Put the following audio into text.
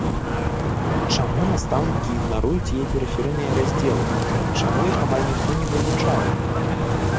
Чаму настаўнікі ігнаруюць яе перыферыйныя раздзелы, чаму іх амаль ніхто не вывучае?